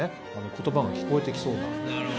言葉が聞こえてきそうな。